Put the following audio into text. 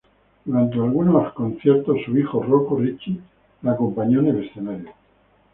Durante algunos conciertos, su hijo Rocco Ritchie la acompañó en el escenario.